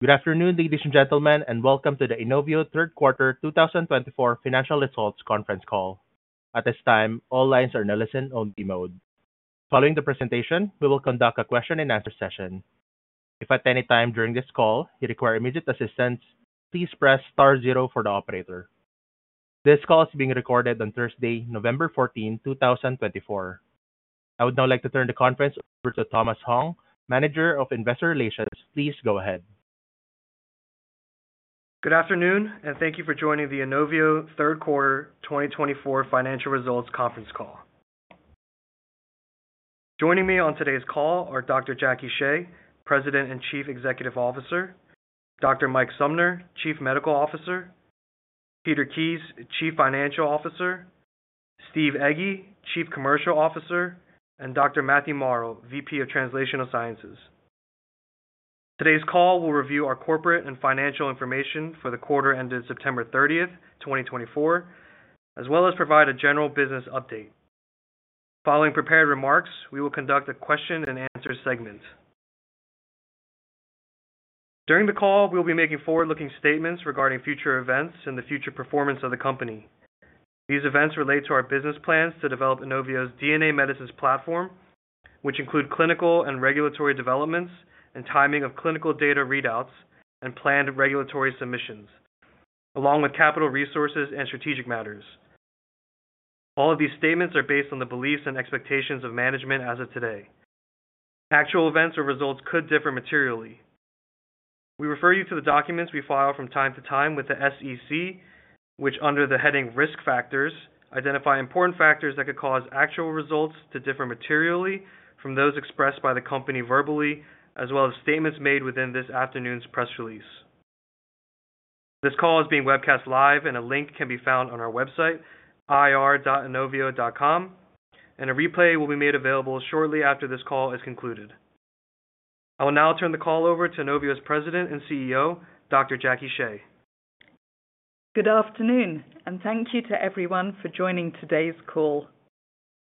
Good afternoon, ladies and gentlemen, and welcome to the Inovio Q3 2024 Financial Results Conference Call. At this time, all lines are in a listen-only mode. Following the presentation, we will conduct a question-and-answer session. If at any time during this call you require immediate assistance, please press *0 for the operator. This call is being recorded on Thursday, November 14, 2024. I would now like to turn the conference over to Thomas Hong, Manager of Investor Relations. Please go ahead. Good afternoon, and thank you for joining the Inovio Q3 2024 Financial Results Conference Call. Joining me on today's call are Dr. Jacque Shea, President and Chief Executive Officer; Dr. Mike Sumner, Chief Medical Officer; Peter Kies, Chief Financial Officer; Steve Egge, Chief Commercial Officer; and Dr. Matthew Morrow, VP of Translational Sciences. Today's call will review our corporate and financial information for the quarter ended September 30, 2024, as well as provide a general business update. Following prepared remarks, we will conduct a question-and-answer segment. During the call, we will be making forward-looking statements regarding future events and the future performance of the company. These events relate to our business plans to develop Inovio's DNA Medicines platform, which include clinical and regulatory developments and timing of clinical data readouts and planned regulatory submissions, along with capital resources and strategic matters. All of these statements are based on the beliefs and expectations of management as of today. Actual events or results could differ materially. We refer you to the documents we file from time to time with the SEC, which, under the heading Risk Factors, identify important factors that could cause actual results to differ materially from those expressed by the company verbally, as well as statements made within this afternoon's press release. This call is being webcast live, and a link can be found on our website, ir.inovio.com, and a replay will be made available shortly after this call is concluded. I will now turn the call over to Inovio's President and CEO, Dr. Jacque Shea. Good afternoon, and thank you to everyone for joining today's call.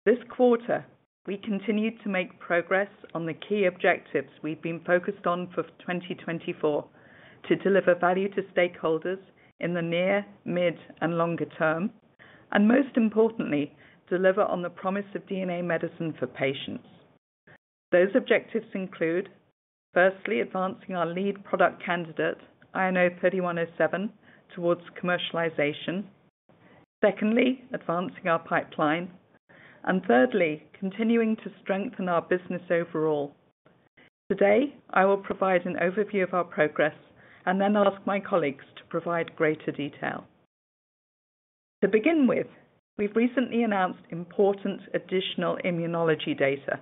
This quarter, we continue to make progress on the key objectives we've been focused on for 2024: to deliver value to stakeholders in the near, mid, and longer term, and most importantly, deliver on the promise of DNA medicine for patients. Those objectives include, firstly, advancing our lead product candidate, INO-3107, towards commercialization. Secondly, advancing our pipeline. And thirdly, continuing to strengthen our business overall. Today, I will provide an overview of our progress and then ask my colleagues to provide greater detail. To begin with, we've recently announced important additional immunology data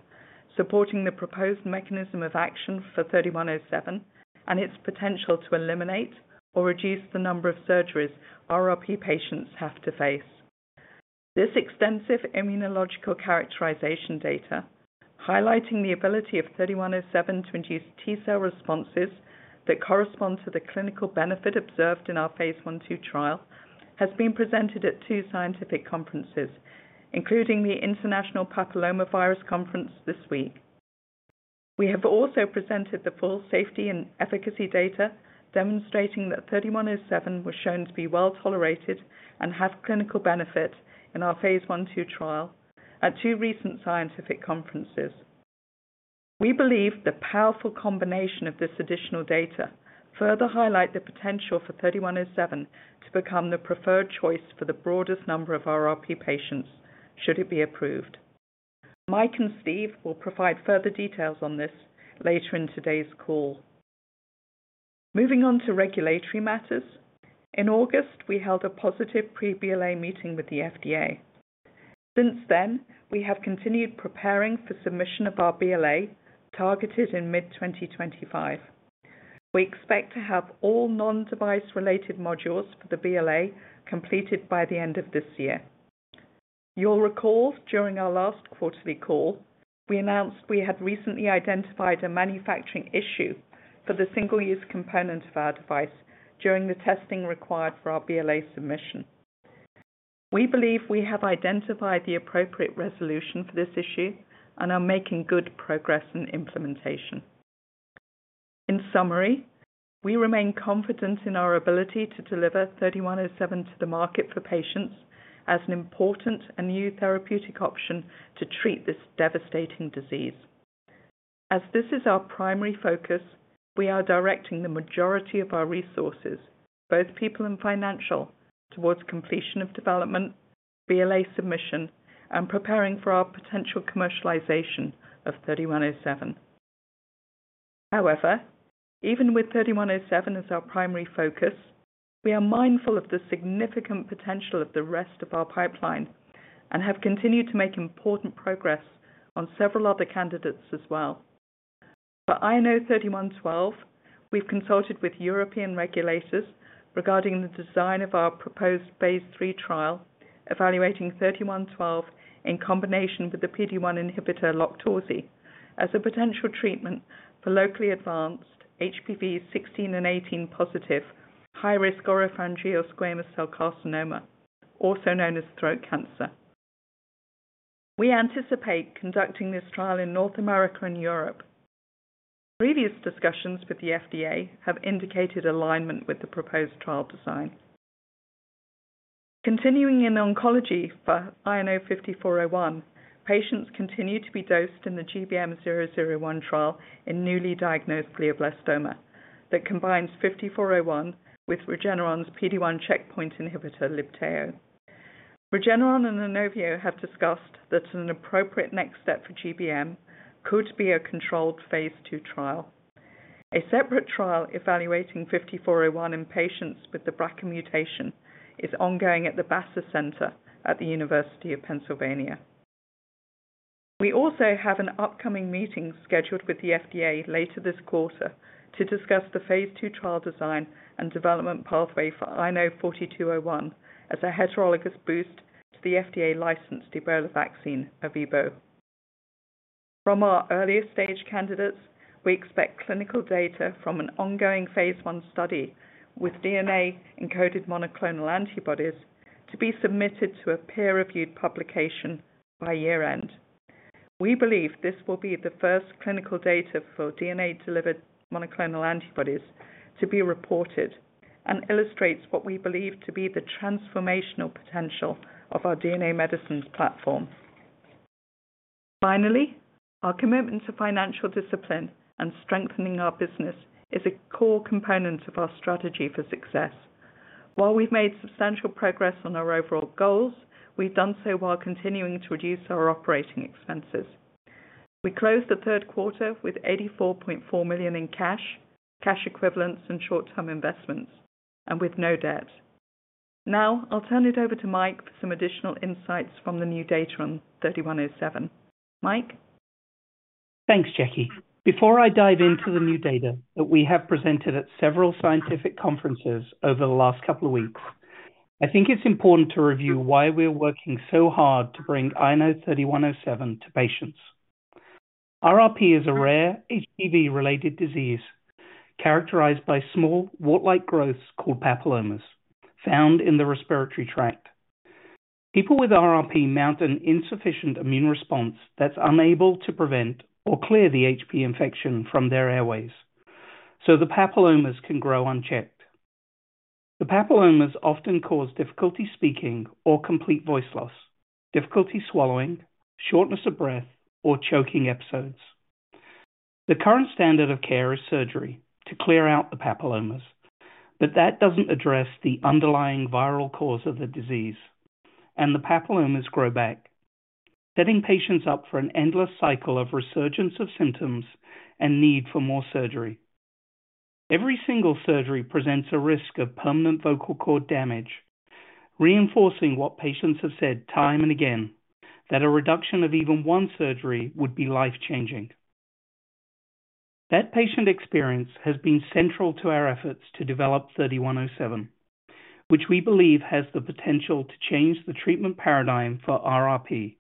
supporting the proposed mechanism of action for INO-3107 and its potential to eliminate or reduce the number of surgeries RRP patients have to face. This extensive immunological characterization data, highlighting the ability of 3107 to induce T-cell responses that correspond to the clinical benefit observed in our phase I/II trial, has been presented at two scientific conferences, including the International Papillomavirus Conference this week. We have also presented the full safety and efficacy data, demonstrating that 3107 was shown to be well tolerated and have clinical benefit in our phase I/II trial at two recent scientific conferences. We believe the powerful combination of this additional data further highlights the potential for 3107 to become the preferred choice for the broadest number of RRP patients, should it be approved. Mike and Steve will provide further details on this later in today's call. Moving on to regulatory matters, in August, we held a positive pre-BLA meeting with the FDA. Since then, we have continued preparing for submission of our BLA targeted in mid-2025. We expect to have all non-device-related modules for the BLA completed by the end of this year. You'll recall, during our last quarterly call, we announced we had recently identified a manufacturing issue for the single-use component of our device during the testing required for our BLA submission. We believe we have identified the appropriate resolution for this issue and are making good progress in implementation. In summary, we remain confident in our ability to deliver 3107 to the market for patients as an important and new therapeutic option to treat this devastating disease. As this is our primary focus, we are directing the majority of our resources, both people and financial, towards completion of development, BLA submission, and preparing for our potential commercialization of 3107. However, even with INO-3107 as our primary focus, we are mindful of the significant potential of the rest of our pipeline and have continued to make important progress on several other candidates as well. For INO-3112, we've consulted with European regulators regarding the design of our proposed phase III trial evaluating INO-3112 in combination with the PD-1 inhibitor, LOQTORZI, as a potential treatment for locally advanced HPV 16 and 18 positive high-risk oropharyngeal squamous cell carcinoma, also known as throat cancer. We anticipate conducting this trial in North America and Europe. Previous discussions with the FDA have indicated alignment with the proposed trial design. Continuing in oncology for INO-5401, patients continue to be dosed in the GBM-001 trial in newly diagnosed glioblastoma that combines INO-5401 with Regeneron's PD-1 checkpoint inhibitor, Libtayo. Regeneron and Inovio have discussed that an appropriate next step for GBM could be a controlled phase II trial. A separate trial evaluating INO-5401 in patients with the BRCA mutation is ongoing at the Basser Center for BRCA at the University of Pennsylvania. We also have an upcoming meeting scheduled with the FDA later this quarter to discuss the phase II trial design and development pathway for INO-4201 as a heterologous boost to the FDA-licensed Ebola vaccine, Ervebo. From our earlier stage candidates, we expect clinical data from an ongoing phase I study with DNA-encoded monoclonal antibodies to be submitted to a peer-reviewed publication by year-end. We believe this will be the first clinical data for DNA-delivered monoclonal antibodies to be reported and illustrates what we believe to be the transformational potential of our DNA medicines platform. Finally, our commitment to financial discipline and strengthening our business is a core component of our strategy for success. While we've made substantial progress on our overall goals, we've done so while continuing to reduce our operating expenses. We closed the third quarter with $84.4 million in cash, cash equivalents, and short-term investments, and with no debt. Now, I'll turn it over to Mike for some additional insights from the new data on 3107. Mike. Thanks, Jacque. Before I dive into the new data that we have presented at several scientific conferences over the last couple of weeks, I think it's important to review why we're working so hard to bring INO-3107 to patients. RRP is a rare HPV-related disease characterized by small, wart-like growths called papillomas found in the respiratory tract. People with RRP mount an insufficient immune response that's unable to prevent or clear the HPV infection from their airways, so the papillomas can grow unchecked. The papillomas often cause difficulty speaking or complete voice loss, difficulty swallowing, shortness of breath, or choking episodes. The current standard of care is surgery to clear out the papillomas, but that doesn't address the underlying viral cause of the disease, and the papillomas grow back, setting patients up for an endless cycle of resurgence of symptoms and need for more surgery. Every single surgery presents a risk of permanent vocal cord damage, reinforcing what patients have said time and again: that a reduction of even one surgery would be life-changing. That patient experience has been central to our efforts to develop 3107, which we believe has the potential to change the treatment paradigm for RRP.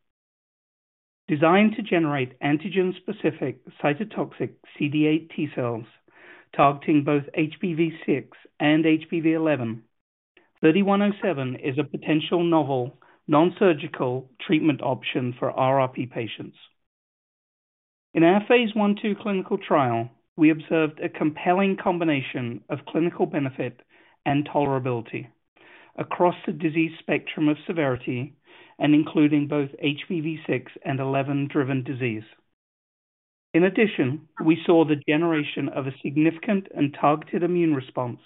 Designed to generate antigen-specific cytotoxic CD8 T-cells targeting both HPV6 and HPV11, 3107 is a potential novel, non-surgical treatment option for RRP patients. In our phase I/II clinical trial, we observed a compelling combination of clinical benefit and tolerability across the disease spectrum of severity and including both HPV6 and 11-driven disease. In addition, we saw the generation of a significant and targeted immune response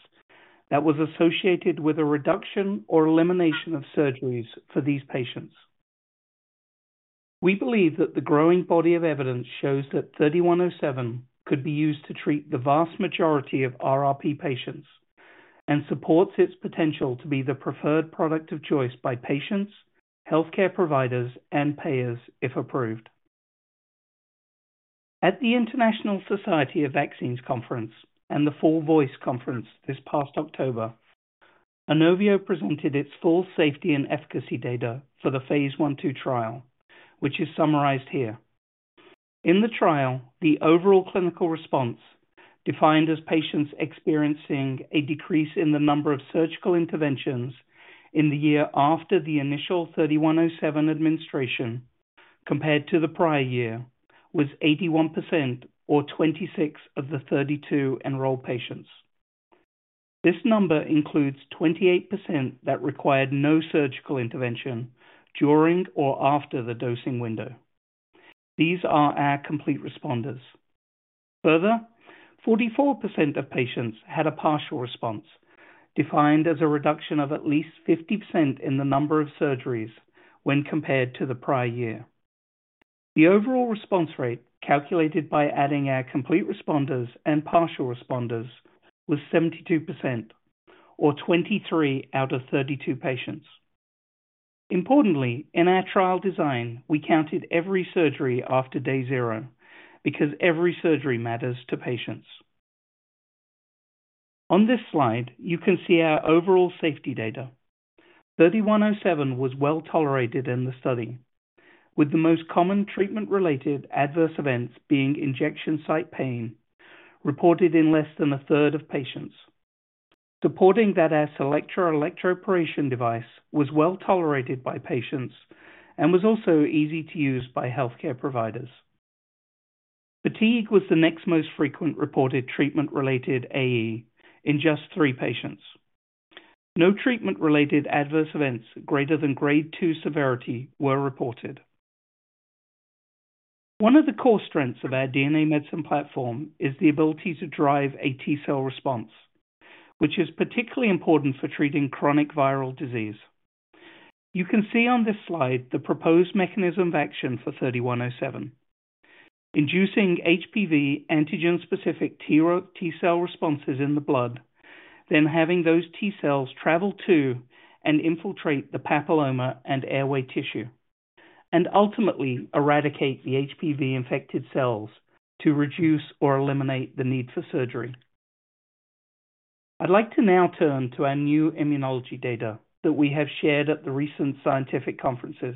that was associated with a reduction or elimination of surgeries for these patients. We believe that the growing body of evidence shows that 3107 could be used to treat the vast majority of RRP patients and supports its potential to be the preferred product of choice by patients, healthcare providers, and payers if approved. At the International Society for Vaccines Conference and the Fall Voice Conference this past October, Inovio presented its full safety and efficacy data for phase I/II, which is summarized here. In the trial, the overall clinical response, defined as patients experiencing a decrease in the number of surgical interventions in the year after the initial 3107 administration compared to the prior year, was 81%, or 26 of the 32 enrolled patients. This number includes 28% that required no surgical intervention during or after the dosing window. These are our complete responders. Further, 44% of patients had a partial response, defined as a reduction of at least 50% in the number of surgeries when compared to the prior year. The overall response rate, calculated by adding our complete responders and partial responders, was 72% or 23 out of 32 patients. Importantly, in our trial design, we counted every surgery after day zero because every surgery matters to patients. On this slide, you can see our overall safety data. 3107 was well tolerated in the study, with the most common treatment-related adverse events being injection site pain reported in less than a third of patients. Supporting that our CELLECTRA electroporation device was well tolerated by patients and was also easy to use by healthcare providers. Fatigue was the next most frequent reported treatment-related AE in just three patients. No treatment-related adverse events greater than grade 2 severity were reported. One of the core strengths of our DNA Medicine platform is the ability to drive a T-cell response, which is particularly important for treating chronic viral disease. You can see on this slide the proposed mechanism of action for 3107: inducing HPV antigen-specific T-cell responses in the blood, then having those T-cells travel to and infiltrate the papilloma and airway tissue, and ultimately eradicate the HPV-infected cells to reduce or eliminate the need for surgery. I'd like to now turn to our new immunology data that we have shared at the recent scientific conferences,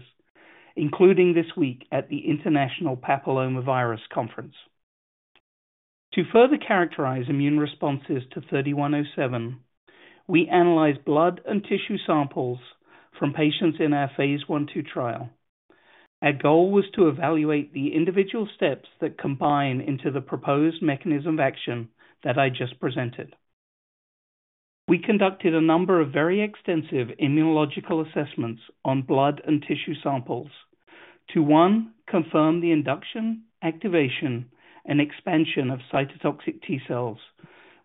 including this week at the International Papillomavirus Conference. To further characterize immune responses to 3107, we analyzed blood and tissue samples from patients in phase I/II. Our goal was to evaluate the individual steps that combine into the proposed mechanism of action that I just presented. We conducted a number of very extensive immunological assessments on blood and tissue samples to, one, confirm the induction, activation, and expansion of cytotoxic T-cells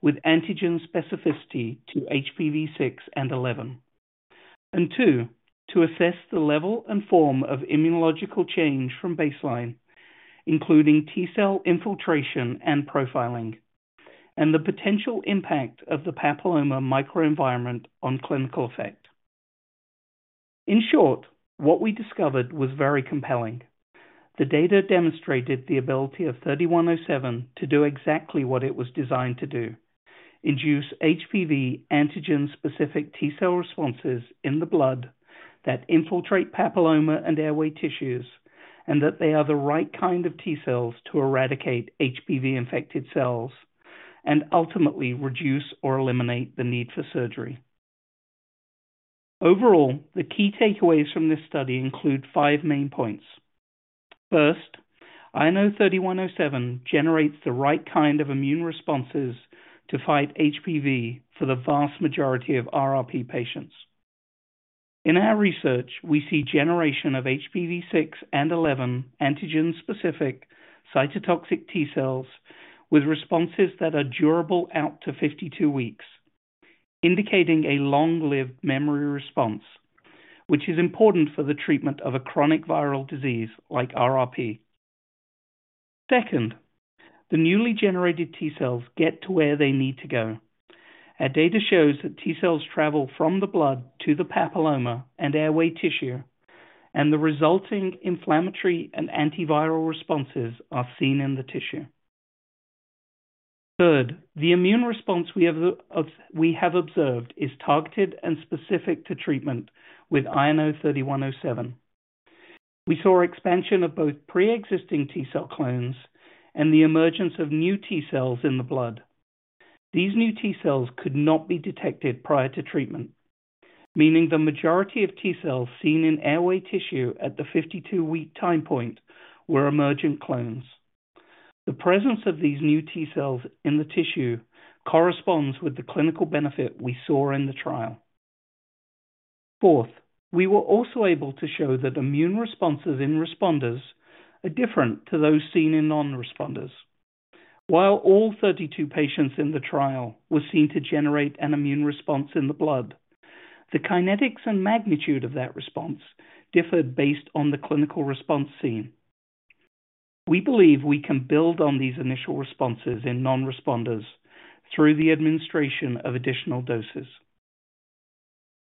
with antigen specificity to HPV6 and 11, and two, to assess the level and form of immunological change from baseline, including T-cell infiltration and profiling, and the potential impact of the papilloma microenvironment on clinical effect. In short, what we discovered was very compelling. The data demonstrated the ability of 3107 to do exactly what it was designed to do: induce HPV antigen-specific T-cell responses in the blood that infiltrate papilloma and airway tissues and that they are the right kind of T-cells to eradicate HPV-infected cells and ultimately reduce or eliminate the need for surgery. Overall, the key takeaways from this study include five main points. First, INO-3107 generates the right kind of immune responses to fight HPV for the vast majority of RRP patients. In our research, we see generation of HPV 6 and 11 antigen-specific cytotoxic T-cells with responses that are durable out to 52 weeks, indicating a long-lived memory response, which is important for the treatment of a chronic viral disease like RRP. Second, the newly generated T-cells get to where they need to go. Our data shows that T-cells travel from the blood to the papilloma and airway tissue, and the resulting inflammatory and antiviral responses are seen in the tissue. Third, the immune response we have observed is targeted and specific to treatment with INO-3107. We saw expansion of both pre-existing T-cell clones and the emergence of new T-cells in the blood. These new T-cells could not be detected prior to treatment, meaning the majority of T-cells seen in airway tissue at the 52-week time point were emergent clones. The presence of these new T-cells in the tissue corresponds with the clinical benefit we saw in the trial. Fourth, we were also able to show that immune responses in responders are different from those seen in non-responders. While all 32 patients in the trial were seen to generate an immune response in the blood, the kinetics and magnitude of that response differed based on the clinical response seen. We believe we can build on these initial responses in non-responders through the administration of additional doses.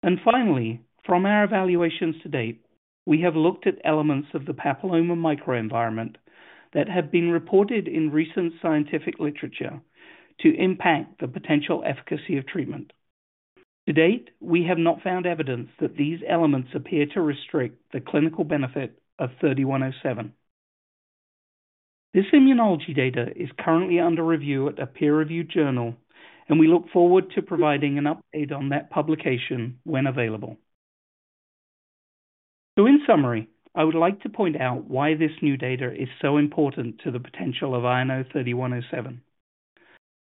And finally, from our evaluations to date, we have looked at elements of the papilloma microenvironment that have been reported in recent scientific literature to impact the potential efficacy of treatment. To date, we have not found evidence that these elements appear to restrict the clinical benefit of 3107. This immunology data is currently under review at a peer-reviewed journal, and we look forward to providing an update on that publication when available. So, in summary, I would like to point out why this new data is so important to the potential of INO-3107.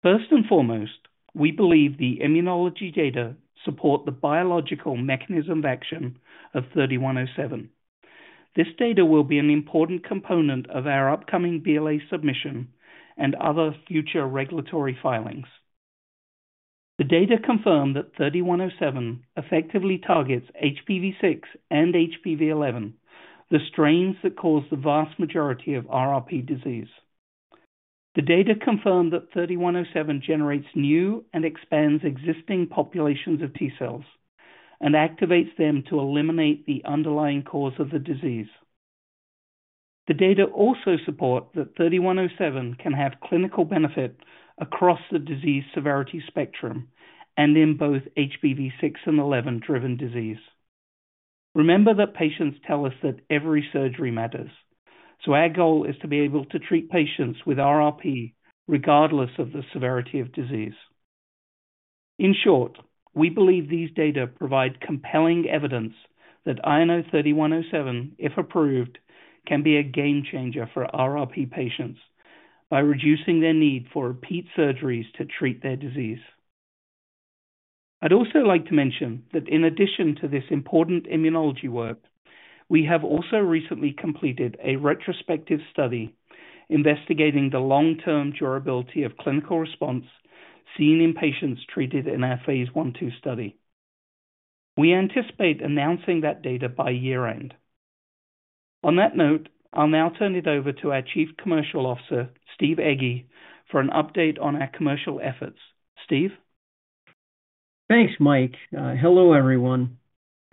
First and foremost, we believe the immunology data support the biological mechanism of action of 3107. This data will be an important component of our upcoming BLA submission and other future regulatory filings. The data confirm that 3107 effectively targets HPV6 and HPV11, the strains that cause the vast majority of RRP disease. The data confirm that 3107 generates new and expands existing populations of T-cells and activates them to eliminate the underlying cause of the disease. The data also support that 3107 can have clinical benefit across the disease severity spectrum and in both HPV-6 and 11-driven disease. Remember that patients tell us that every surgery matters, so our goal is to be able to treat patients with RRP regardless of the severity of disease. In short, we believe these data provide compelling evidence that INO-3107, if approved, can be a game changer for RRP patients by reducing their need for repeat surgeries to treat their disease. I'd also like to mention that in addition to this important immunology work, we have also recently completed a retrospective study investigating the long-term durability of clinical response seen in patients treated in our phase I/II study. We anticipate announcing that data by year-end. On that note, I'll now turn it over to our Chief Commercial Officer, Steve Egge, for an update on our commercial efforts. Steve? Thanks, Mike. Hello, everyone.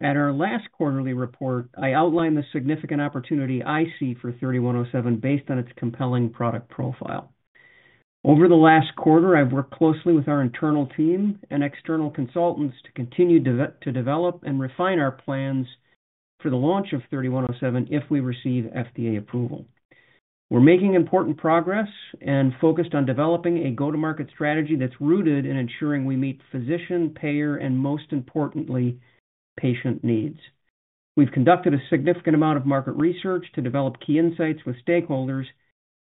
At our last quarterly report, I outlined the significant opportunity I see for 3107 based on its compelling product profile. Over the last quarter, I've worked closely with our internal team and external consultants to continue to develop and refine our plans for the launch of 3107 if we receive FDA approval. We're making important progress and focused on developing a go-to-market strategy that's rooted in ensuring we meet physician, payer, and most importantly, patient needs. We've conducted a significant amount of market research to develop key insights with stakeholders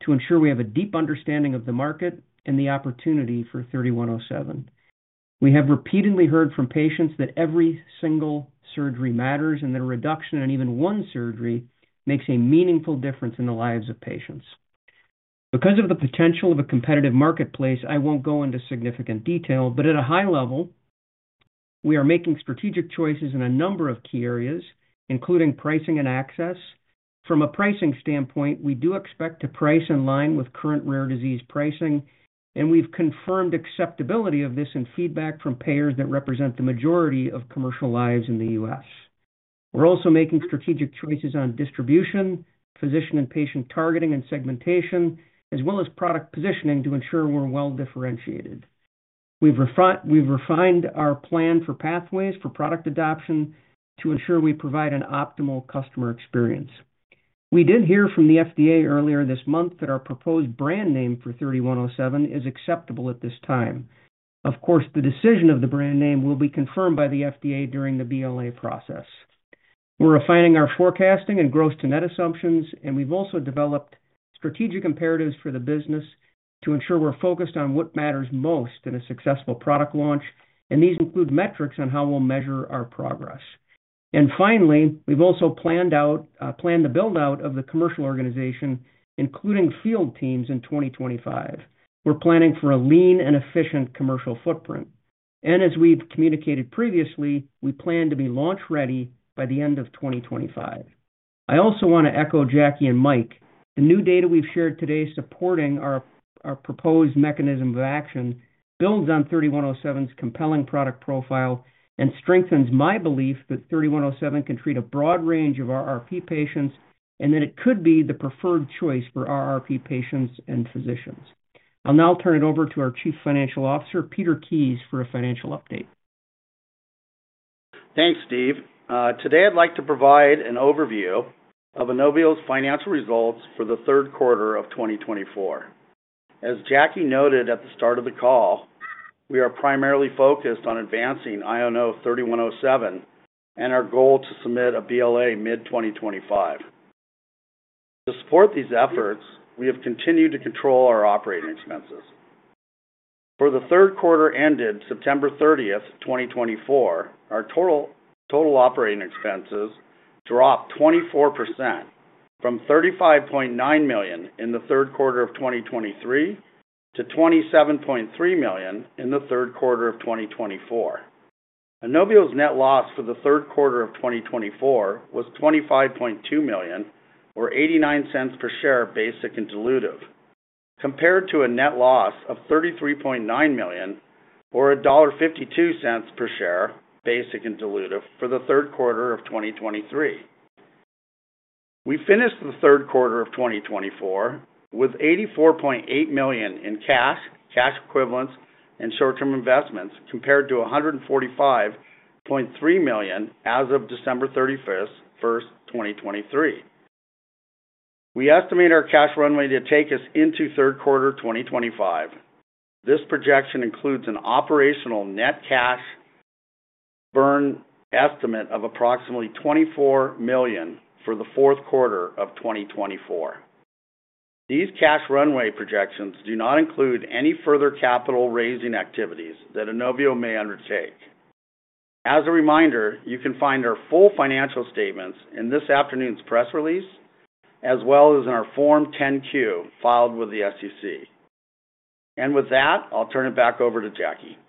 to ensure we have a deep understanding of the market and the opportunity for 3107. We have repeatedly heard from patients that every single surgery matters and that a reduction in even one surgery makes a meaningful difference in the lives of patients. Because of the potential of a competitive marketplace, I won't go into significant detail, but at a high level, we are making strategic choices in a number of key areas, including pricing and access. From a pricing standpoint, we do expect to price in line with current rare disease pricing, and we've confirmed acceptability of this and feedback from payers that represent the majority of commercial lives in the U.S. We're also making strategic choices on distribution, physician and patient targeting and segmentation, as well as product positioning to ensure we're well differentiated. We've refined our plan for pathways for product adoption to ensure we provide an optimal customer experience. We did hear from the FDA earlier this month that our proposed brand name for 3107 is acceptable at this time. Of course, the decision of the brand name will be confirmed by the FDA during the BLA process. We're refining our forecasting and gross-to-net assumptions, and we've also developed strategic imperatives for the business to ensure we're focused on what matters most in a successful product launch, and these include metrics on how we'll measure our progress. And finally, we've also planned the build-out of the commercial organization, including field teams in 2025. We're planning for a lean and efficient commercial footprint. And as we've communicated previously, we plan to be launch-ready by the end of 2025. I also want to echo Jackie and Mike. The new data we've shared today supporting our proposed mechanism of action builds on 3107's compelling product profile and strengthens my belief that 3107 can treat a broad range of RRP patients and that it could be the preferred choice for RRP patients and physicians. I'll now turn it over to our Chief Financial Officer, Peter Kies, for a financial update. Thanks, Steve. Today, I'd like to provide an overview of Inovio's financial results for the third quarter of 2024. As Jackie noted at the start of the call, we are primarily focused on advancing INO-3107 and our goal to submit a BLA mid-2025. To support these efforts, we have continued to control our operating expenses. For the third quarter ended September 30, 2024, our total operating expenses dropped 24% from $35.9 million in the third quarter of 2023 to $27.3 million in the third quarter of 2024. Inovio's net loss for the third quarter of 2024 was $25.2 million, or $0.89 per basic and diluted share, compared to a net loss of $33.9 million, or $1.52 per basic and diluted share for the third quarter of 2023. We finished the third quarter of 2024 with $84.8 million in cash, cash equivalents, and short-term investments, compared to $145.3 million as of December 31, 2023. We estimate our cash runway to take us into third quarter 2025. This projection includes an operational net cash burn estimate of approximately $24 million for the fourth quarter of 2024. These cash runway projections do not include any further capital raising activities that Inovio may undertake. As a reminder, you can find our full financial statements in this afternoon's press release, as well as in our Form 10-Q filed with the SEC. And with that, I'll turn it back over to Jackie. Thank you.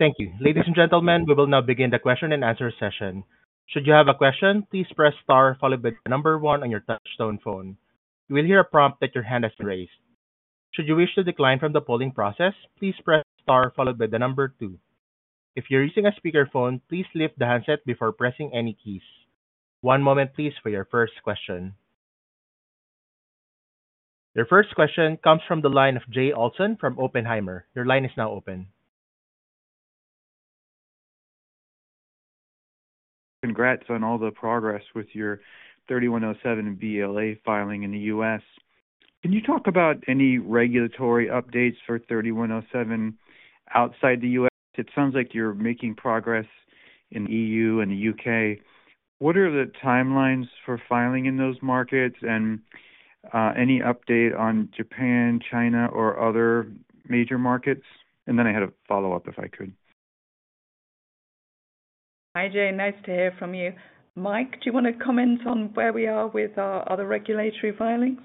Ladies and gentlemen, we will now begin the question-and-answer session. Should you have a question, please press star followed by the number one on your touch-tone phone. You will hear a prompt that your hand has been raised. Should you wish to decline from the polling process, please press star followed by the number two. If you're using a speakerphone, please lift the handset before pressing any keys. One moment, please, for your first question. Your first question comes from the line of Jay Olson from Oppenheimer. Your line is now open. Congrats on all the progress with your 3107 BLA filing in the U.S. Can you talk about any regulatory updates for 3107 outside the U.S.? It sounds like you're making progress in the EU and the U.K. What are the timelines for filing in those markets and any update on Japan, China, or other major markets? And then I had a follow-up, if I could. Hi, Jay. Nice to hear from you. Mike, do you want to comment on where we are with our other regulatory filings?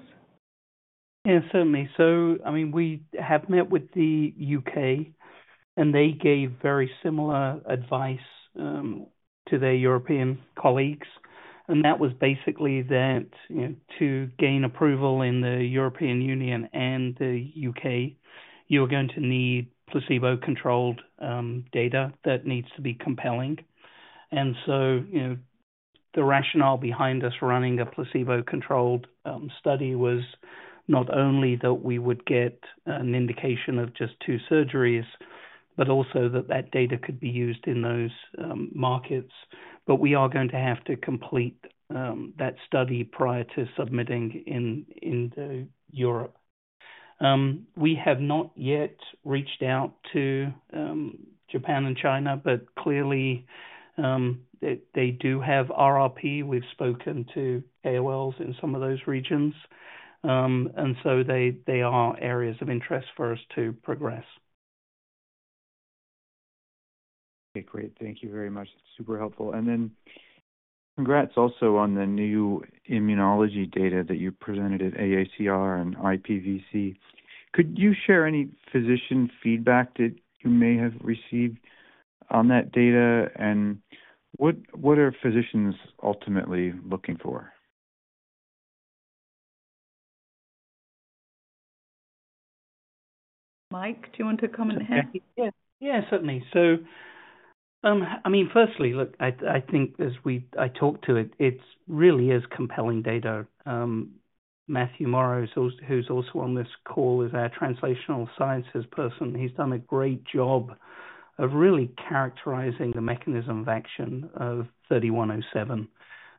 Yeah, certainly. So, I mean, we have met with the U.K., and they gave very similar advice to their European colleagues, and that was basically that to gain approval in the European Union and the U.K., you are going to need placebo-controlled data that needs to be compelling, and so the rationale behind us running a placebo-controlled study was not only that we would get an indication of just two surgeries, but also that that data could be used in those markets, but we are going to have to complete that study prior to submitting in Europe. We have not yet reached out to Japan and China, but clearly they do have RRP. We've spoken to KOLs in some of those regions, and so they are areas of interest for us to progress. Okay, great. Thank you very much. It's super helpful. Then congrats also on the new immunology data that you presented at AACR and IPVC. Could you share any physician feedback that you may have received on that data? And what are physicians ultimately looking for? Mike, do you want to come ahead? Yeah, certainly. So, I mean, firstly, look, I think as I talk to it, it's really compelling data. Matthew Morrow, who's also on this call, is our translational sciences person. He's done a great job of really characterizing the mechanism of action of 3107.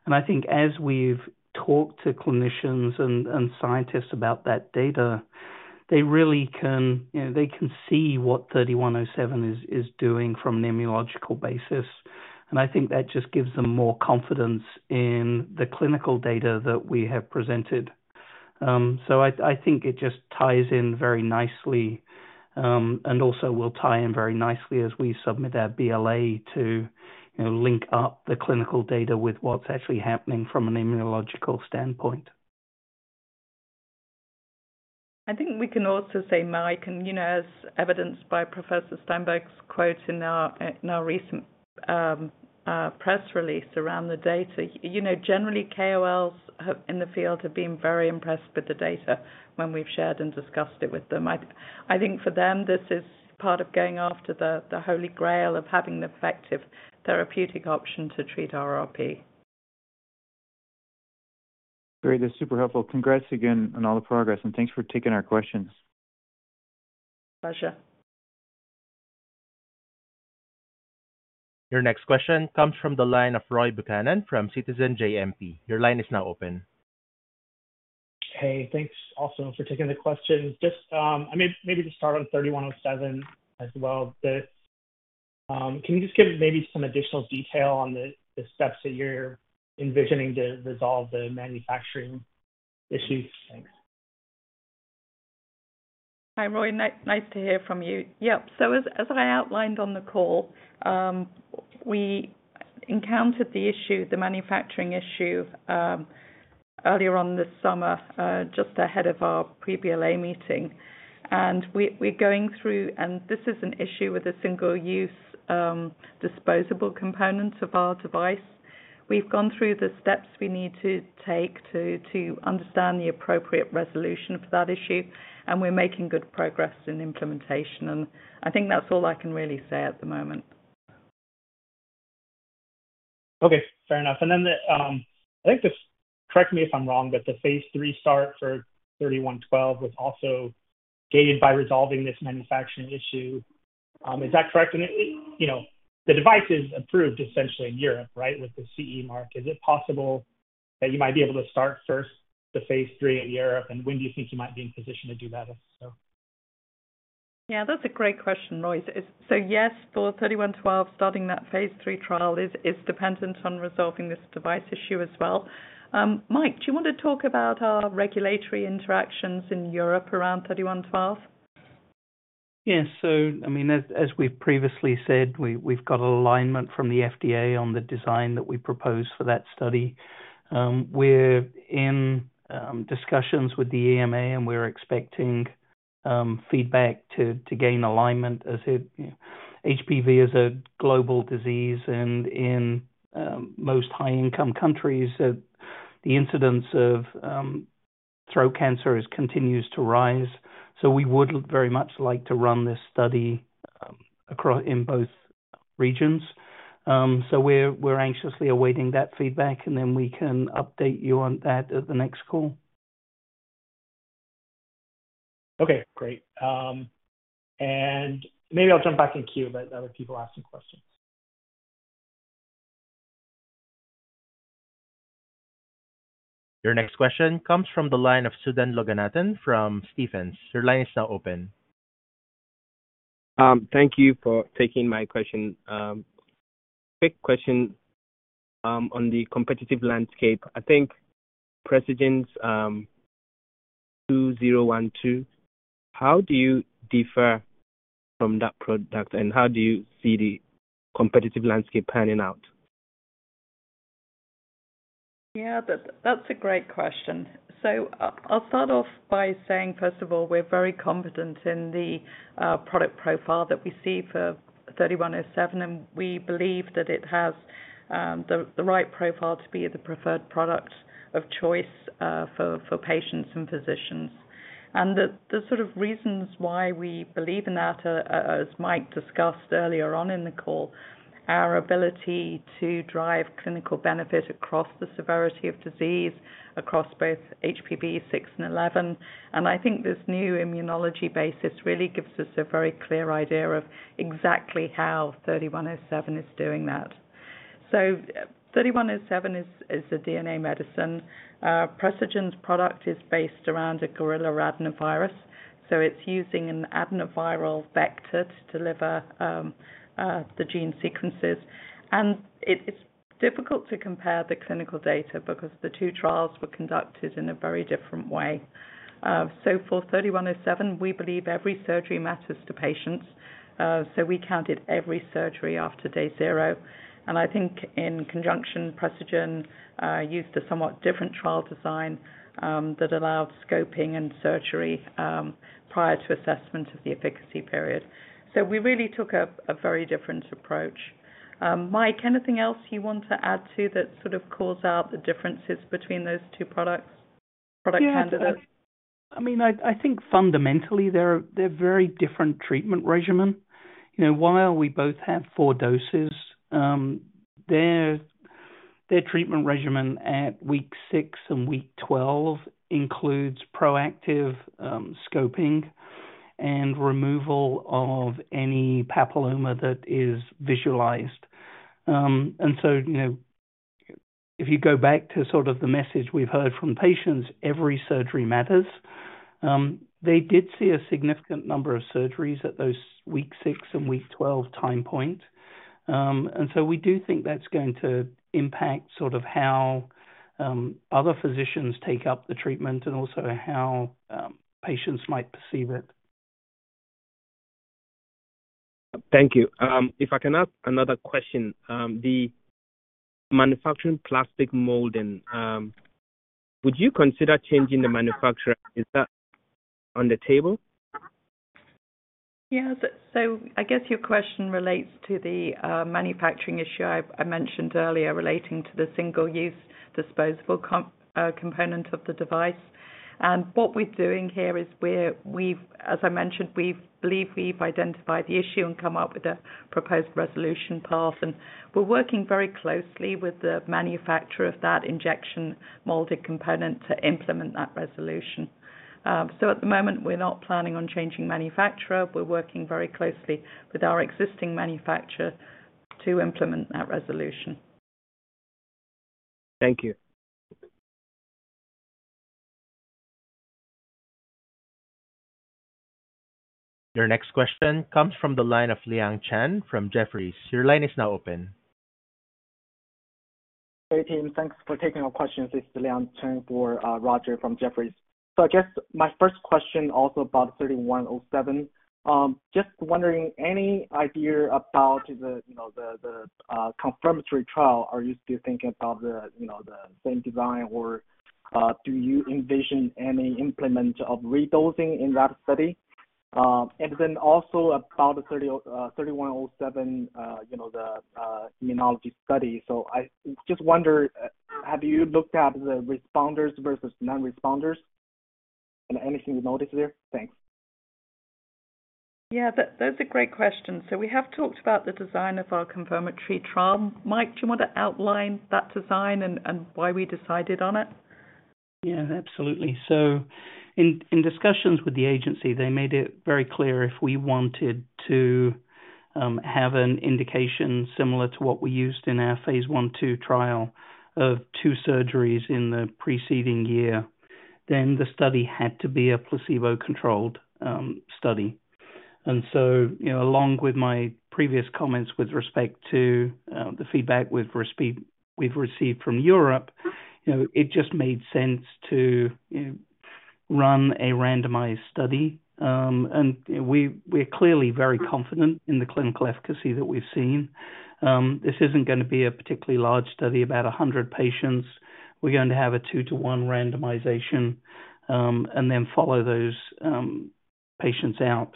And I think as we've talked to clinicians and scientists about that data, they really can see what 3107 is doing from an immunological basis. And I think that just gives them more confidence in the clinical data that we have presented. So I think it just ties in very nicely and also will tie in very nicely as we submit our BLA to link up the clinical data with what's actually happening from an immunological standpoint. I think we can also say, Mike, and as evidenced by Professor Steinberg's quote in our recent press release around the data, generally, KOLs in the field have been very impressed with the data when we've shared and discussed it with them. I think for them, this is part of going after the Holy Grail of having an effective therapeutic option to treat RRP. Great. That's super helpful. Congrats again on all the progress, and thanks for taking our questions. Pleasure. Your next question comes from the line of Roy Buchanan from Citizens JMP. Your line is now open. Hey, thanks also for taking the question. Just maybe to start on 3107 as well, can you just give maybe some additional detail on the steps that you're envisioning to resolve the manufacturing issues? Thanks. Hi, Roy. Nice to hear from you. Yep. So as I outlined on the call, we encountered the issue, the manufacturing issue, earlier on this summer just ahead of our pre-BLA meeting. And we're going through, and this is an issue with a single-use disposable component of our device. We've gone through the steps we need to take to understand the appropriate resolution for that issue, and we're making good progress in implementation. And I think that's all I can really say at the moment. Okay. Fair enough. And then I think this, correct me if I'm wrong, but the phase III start for 3112 was also gained by resolving this manufacturing issue. Is that correct? And the device is approved essentially in Europe, right, with the CE mark. Is it possible that you might be able to start first the phase III in Europe, and when do you think you might be in position to do that? Yeah, that's a great question, Roy. So yes, for 3112, starting that phase III trial is dependent on resolving this device issue as well. Mike, do you want to talk about our regulatory interactions in Europe around 3112? Yes. So, I mean, as we've previously said, we've got alignment from the FDA on the design that we propose for that study. We're in discussions with the EMA, and we're expecting feedback to gain alignment as HPV is a global disease, and in most high-income countries, the incidence of throat cancer continues to rise. So we would very much like to run this study in both regions. So we're anxiously awaiting that feedback, and then we can update you on that at the next call. Okay. Great. And maybe I'll jump back in queue, but other people asking questions. Your next question comes from the line of Sudan Loganathan from Stephens. Her line is now open. Thank you for taking my question. Quick question on the competitive landscape. I think Precigen's 2012, how do you differ from that product, and how do you see the competitive landscape panning out? Yeah, that's a great question. So I'll start off by saying, first of all, we're very competent in the product profile that we see for 3107, and we believe that it has the right profile to be the preferred product of choice for patients and physicians. And the sort of reasons why we believe in that, as Mike discussed earlier on in the call, are our ability to drive clinical benefit across the severity of disease, across both HPV 6 and 11. And I think this new immunology basis really gives us a very clear idea of exactly how 3107 is doing that. So 3107 is a DNA medicine. Precigen's product is based around a gorilla adenovirus. So it's using an adenoviral vector to deliver the gene sequences. And it's difficult to compare the clinical data because the two trials were conducted in a very different way. So for 3107, we believe every surgery matters to patients. So we counted every surgery after day zero. And I think in conjunction, Precigen used a somewhat different trial design that allowed scoping and surgery prior to assessment of the efficacy period. So we really took a very different approach. Mike, anything else you want to add to that sort of calls out the differences between those two products? Product candidates? I mean, I think fundamentally, they're very different treatment regimen. While we both have four doses, their treatment regimen at week six and week 12 includes proactive scoping and removal of any papilloma that is visualized. And so if you go back to sort of the message we've heard from patients, every surgery matters. They did see a significant number of surgeries at those week six and week 12 time points. And so we do think that's going to impact sort of how other physicians take up the treatment and also how patients might perceive it. Thank you. If I can ask another question, the manufacturing plastic molding, would you consider changing the manufacturer? Is that on the table? Yeah. So I guess your question relates to the manufacturing issue I mentioned earlier relating to the single-use disposable component of the device. And what we're doing here is, as I mentioned, we believe we've identified the issue and come up with a proposed resolution path. And we're working very closely with the manufacturer of that injection molded component to implement that resolution. So at the moment, we're not planning on changing manufacturer. We're working very closely with our existing manufacturer to implement that resolution. Thank you. Your next question comes from the line of Liang Chen from Jefferies. Your line is now open. Hey, team. Thanks for taking our questions. It's Liang Chen for Roger from Jefferies. So I guess my first question also about 3107, just wondering, any idea about the confirmatory trial? Are you still thinking about the same design, or do you envision any implementation of re-dosing in that study? And then also about 3107, the immunology study. So I just wonder, have you looked at the responders versus non-responders? And anything you notice there? Thanks. Yeah, that's a great question. So we have talked about the design of our confirmatory trial. Mike, do you want to outline that design and why we decided on it? Yeah, absolutely. So in discussions with the agency, they made it very clear if we wanted to have an indication similar to what we used in phase I/II of two surgeries in the preceding year, then the study had to be a placebo-controlled study. And so along with my previous comments with respect to the feedback we've received from Europe, it just made sense to run a randomized study. We're clearly very confident in the clinical efficacy that we've seen. This isn't going to be a particularly large study, about 100 patients. We're going to have a two-to-one randomization and then follow those patients out.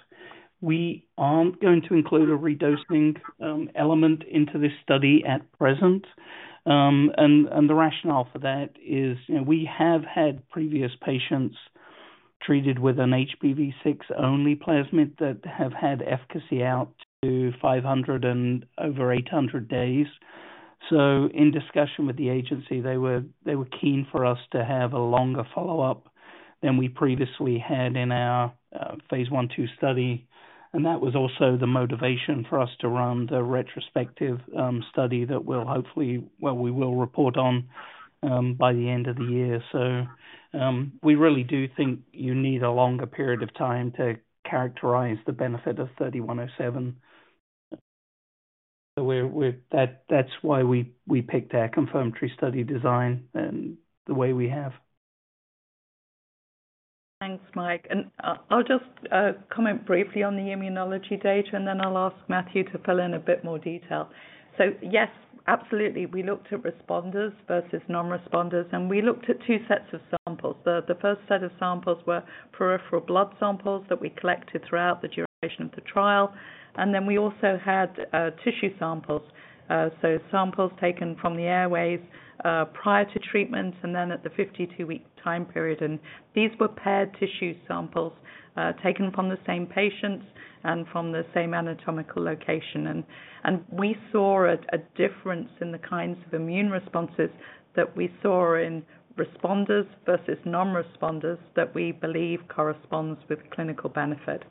We aren't going to include a re-dosing element into this study at present. The rationale for that is we have had previous patients treated with an HPV 6 only plasmid that have had efficacy out to 500 and over 800 days. In discussion with the agency, they were keen for us to have a longer follow-up than we previously had in our phase I/II study. That was also the motivation for us to run the retrospective study that we'll hopefully, well, we will report on by the end of the year. We really do think you need a longer period of time to characterize the benefit of 3107. So that's why we picked our confirmatory study design and the way we have. Thanks, Mike. And I'll just comment briefly on the immunology data, and then I'll ask Matthew to fill in a bit more detail. So yes, absolutely. We looked at responders versus non-responders, and we looked at two sets of samples. The first set of samples were peripheral blood samples that we collected throughout the duration of the trial. And then we also had tissue samples, so samples taken from the airways prior to treatment and then at the 52-week time period. And these were paired tissue samples taken from the same patients and from the same anatomical location. And we saw a difference in the kinds of immune responses that we saw in responders versus non-responders that we believe corresponds with clinical benefit.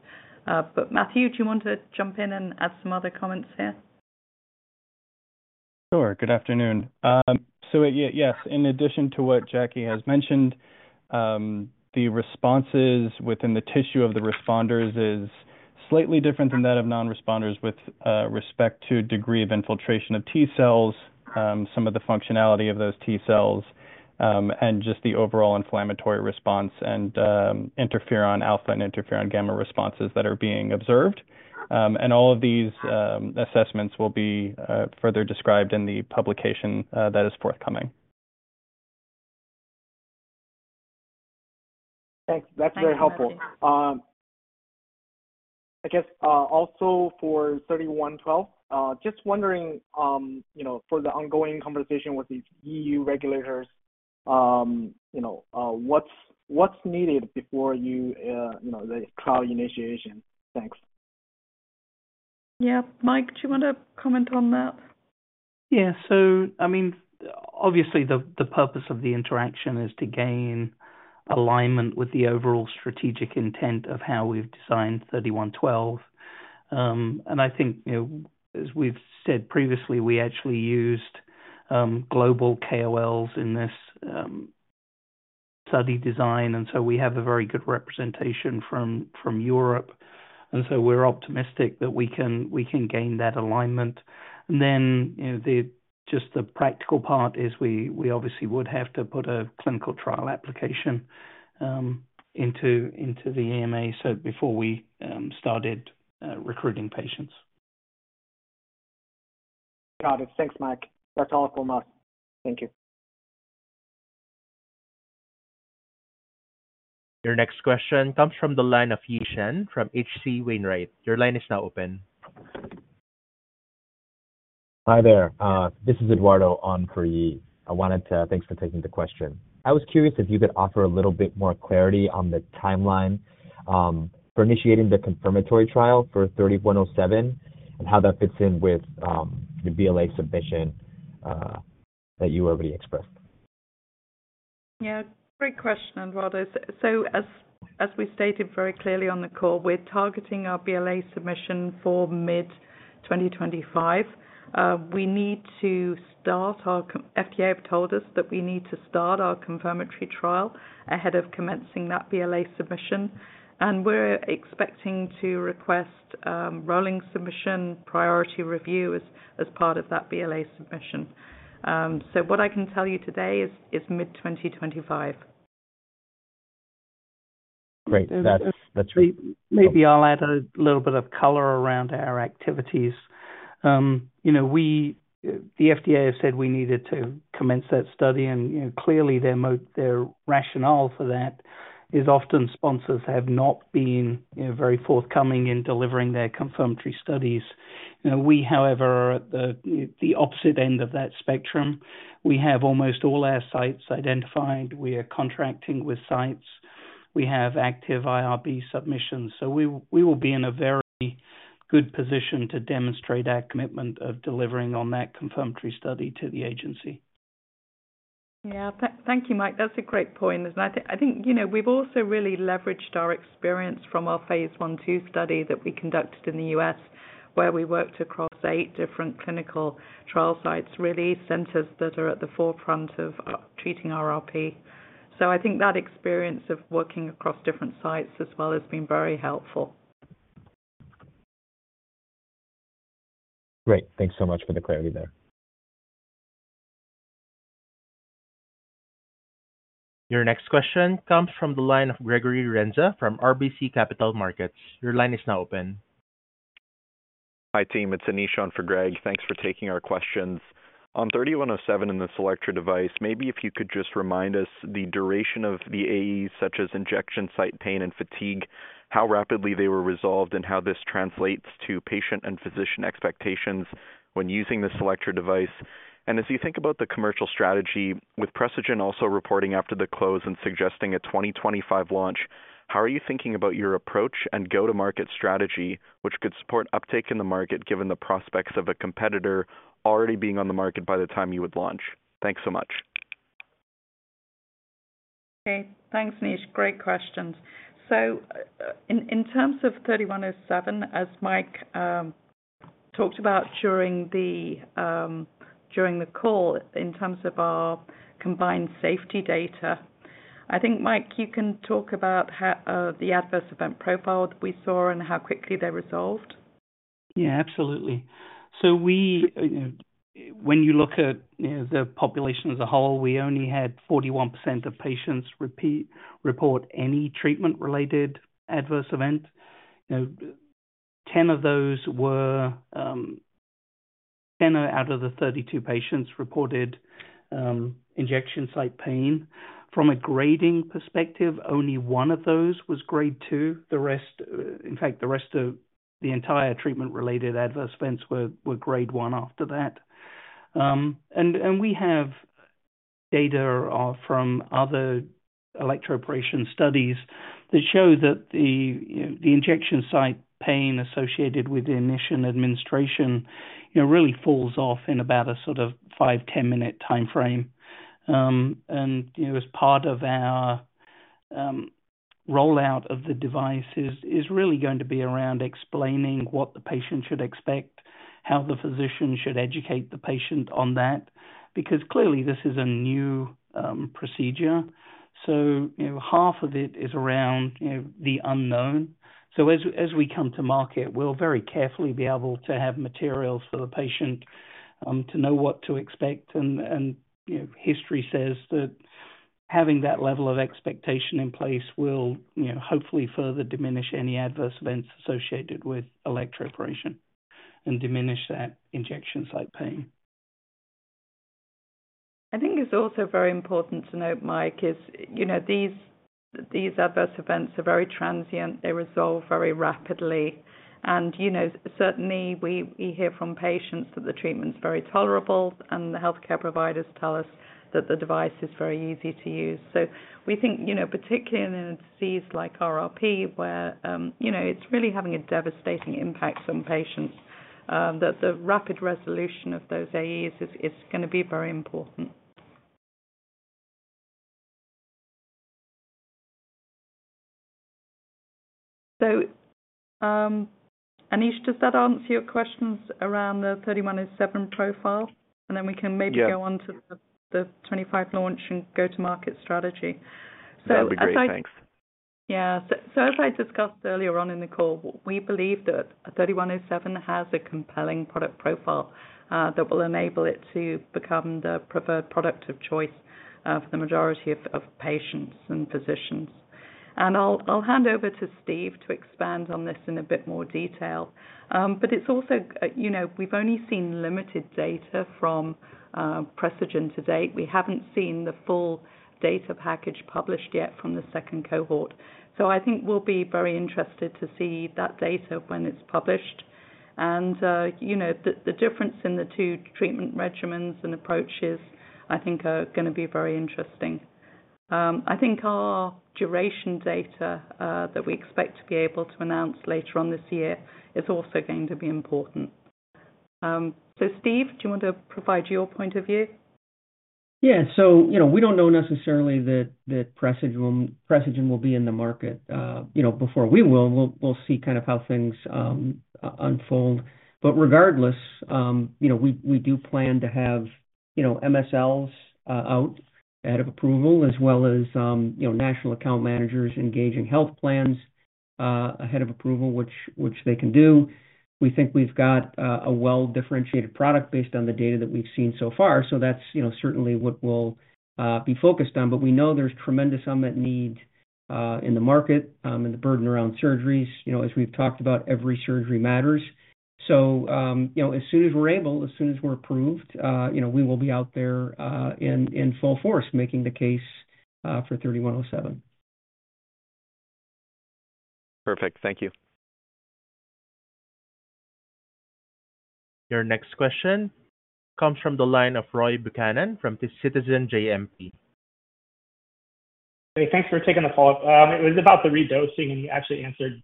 But Matthew, do you want to jump in and add some other comments here? Sure. Good afternoon. So yes, in addition to what Jackie has mentioned, the responses within the tissue of the responders is slightly different than that of non-responders with respect to degree of infiltration of T-cells, some of the functionality of those T-cells, and just the overall inflammatory response and interferon alpha and interferon gamma responses that are being observed. And all of these assessments will be further described in the publication that is forthcoming. Thanks. That's very helpful. I guess also for 3112, just wondering for the ongoing conversation with the EU regulators, what's needed before the trial initiation? Thanks. Yeah. Mike, do you want to comment on that? Yeah. So I mean, obviously, the purpose of the interaction is to gain alignment with the overall strategic intent of how we've designed 3112. I think, as we've said previously, we actually used global KOLs in this study design. And so we have a very good representation from Europe. And so we're optimistic that we can gain that alignment. And then just the practical part is we obviously would have to put a clinical trial application into the EMA before we started recruiting patients. Got it. Thanks, Mike. That's all from us. Thank you. Your next question comes from the line of Yi Chen from H.C. Wainwright. Your line is now open. Hi there. This is Eduardo on for Yi. Thanks for taking the question. I was curious if you could offer a little bit more clarity on the timeline for initiating the confirmatory trial for 3107 and how that fits in with the BLA submission that you already expressed. Yeah. Great question, Eduardo.So as we stated very clearly on the call, we're targeting our BLA submission for mid-2025. FDA told us that we need to start our confirmatory trial ahead of commencing that BLA submission. And we're expecting to request rolling submission priority review as part of that BLA submission. So what I can tell you today is mid-2025. Great. That's great. Maybe I'll add a little bit of color around our activities. The FDA has said we needed to commence that study. And clearly, their rationale for that is often sponsors have not been very forthcoming in delivering their confirmatory studies. We, however, are at the opposite end of that spectrum. We have almost all our sites identified. We are contracting with sites. We have active IRB submissions. So we will be in a very good position to demonstrate our commitment of delivering on that confirmatory study to the agency. Yeah. Thank you, Mike. That's a great point. And I think we've also really leveraged our experience from our phase I/II study that we conducted in the U.S., where we worked across eight different clinical trial sites, really, centers that are at the forefront of treating RRP. So I think that experience of working across different sites as well has been very helpful. Great. Thanks so much for the clarity there. Your next question comes from the line of Gregory Renza from RBC Capital Markets. Your line is now open. Hi, team. It's Anish for Greg. Thanks for taking our questions. On INO-3107 and the CELLECTRA device, maybe if you could just remind us the duration of the AEs, such as injection site pain and fatigue, how rapidly they were resolved, and how this translates to patient and physician expectations when using the CELLECTRA device? And as you think about the commercial strategy with Precigen also reporting after the close and suggesting a 2025 launch, how are you thinking about your approach and go-to-market strategy, which could support uptake in the market given the prospects of a competitor already being on the market by the time you would launch? Thanks so much. Okay. Thanks, Anish. Great questions. So in terms of 3107, as Mike talked about during the call, in terms of our combined safety data, I think, Mike, you can talk about the adverse event profile that we saw and how quickly they resolved? Yeah, absolutely. So when you look at the population as a whole, we only had 41% of patients report any treatment-related adverse event. 10 out of the 32 patients reported injection site pain. From a grading perspective, only one of those was grade two. In fact, the rest of the entire treatment-related adverse events were grade one after that. And we have data from other electroporation studies that show that the injection site pain associated with the initial administration really falls off in about a sort of 5-10 minute time frame. And as part of our rollout of the device is really going to be around explaining what the patient should expect, how the physician should educate the patient on that, because clearly, this is a new procedure. So half of it is around the unknown. So as we come to market, we'll very carefully be able to have materials for the patient to know what to expect. And history says that having that level of expectation in place will hopefully further diminish any adverse events associated with electroporation and diminish that injection site pain. I think it's also very important to note, Mike, is these adverse events are very transient. They resolve very rapidly. And certainly, we hear from patients that the treatment's very tolerable, and the healthcare providers tell us that the device is very easy to use. So we think, particularly in a disease like RRP, where it's really having a devastating impact on patients, that the rapid resolution of those AEs is going to be very important. So Anish, does that answer your questions around the 3107 profile? And then we can maybe go on to the 25 launch and go-to-market strategy. That'd be great. Thanks. Yeah. So as I discussed earlier on in the call, we believe that 3107 has a compelling product profile that will enable it to become the preferred product of choice for the majority of patients and physicians. And I'll hand over to Steve to expand on this in a bit more detail. But it's also we've only seen limited data from Precigen to date. We haven't seen the full data package published yet from the second cohort. So I think we'll be very interested to see that data when it's published. And the difference in the two treatment regimens and approaches, I think, are going to be very interesting. I think our duration data that we expect to be able to announce later on this year is also going to be important. So Steve, do you want to provide your point of view? Yeah. So we don't know necessarily that Precigen will be in the market before we will. We'll see kind of how things unfold. But regardless, we do plan to have MSLs out ahead of approval, as well as national account managers engaging health plans ahead of approval, which they can do. We think we've got a well-differentiated product based on the data that we've seen so far. So that's certainly what we'll be focused on. But we know there's tremendous unmet need in the market and the burden around surgeries. As we've talked about, every surgery matters. So as soon as we're able, as soon as we're approved, we will be out there in full force making the case for 3107. Perfect. Thank you. Your next question comes from the line of Roy Buchanan from Citizens JMP. Hey, thanks for taking the call. It was about the redosing, and you actually answered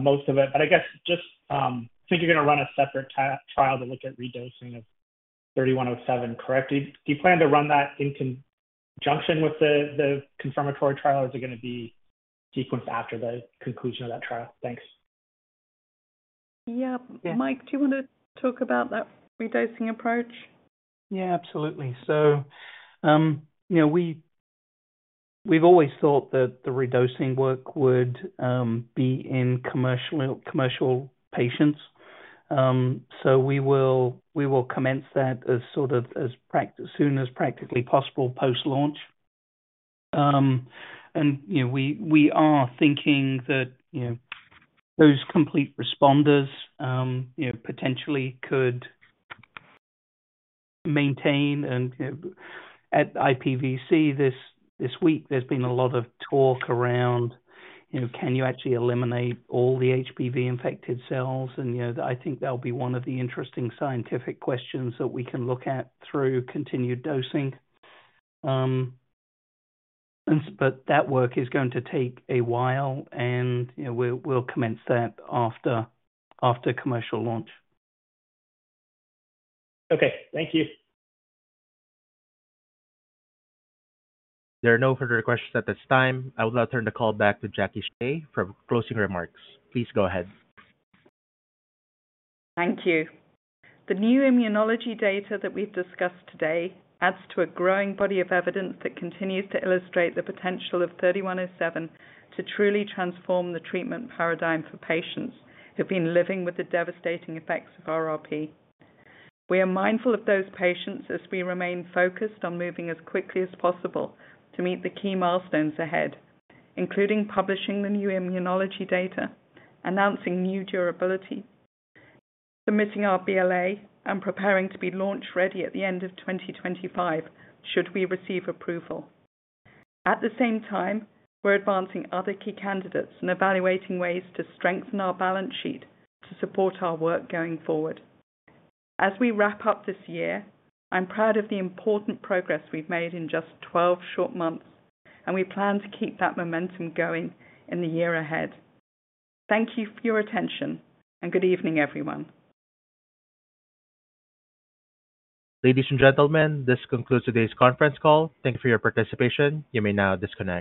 most of it. But I guess just I think you're going to run a separate trial to look at redosing of 3107, correct? Do you plan to run that in conjunction with the confirmatory trial? Is it going to be sequenced after the conclusion of that trial? Thanks. Yeah. Mike, do you want to talk about that redosing approach? Yeah, absolutely. So we've always thought that the redosing work would be in commercial patients. So we will commence that as soon as practically possible post-launch. And we are thinking that those complete responders potentially could maintain. And at IPVC this week, there's been a lot of talk around, "Can you actually eliminate all the HPV-infected cells?" And I think that'll be one of the interesting scientific questions that we can look at through continued dosing. But that work is going to take a while, and we'll commence that after commercial launch. Okay. Thank you. There are no further questions at this time. I would now turn the call back to Jacque Shea for closing remarks. Please go ahead. Thank you. The new immunology data that we've discussed today adds to a growing body of evidence that continues to illustrate the potential of 3107 to truly transform the treatment paradigm for patients who've been living with the devastating effects of RRP. We are mindful of those patients as we remain focused on moving as quickly as possible to meet the key milestones ahead, including publishing the new immunology data, announcing new durability, submitting our BLA, and preparing to be launch-ready at the end of 2025 should we receive approval. At the same time, we're advancing other key candidates and evaluating ways to strengthen our balance sheet to support our work going forward. As we wrap up this year, I'm proud of the important progress we've made in just 12 short months, and we plan to keep that momentum going in the year ahead. Thank you for your attention, and good evening, everyone. Ladies and gentlemen, this concludes today's conference call. Thank you for your participation. You may now disconnect.